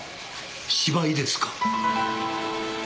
芝居ですか。